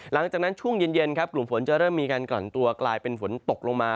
หลังจากนั้นช่วงเย็นครับกลุ่มฝนจะเริ่มมีการกล่อนตัวกลายเป็นฝนตกลงมา